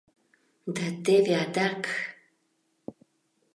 Да теве адак...